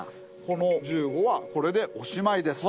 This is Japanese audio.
この十五はこれでおしまいです。